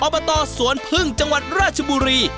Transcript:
อบตสวนพึ่งจังหวัดราชบุรี